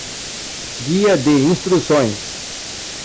Guia de instruções.